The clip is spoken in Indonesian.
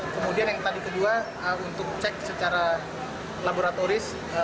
kemudian yang tadi kedua untuk cek secara laboratoris